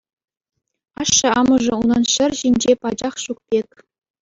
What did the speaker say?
Ашшӗ-амӑшӗ унан ҫӗр ҫинче пачах ҫук пек.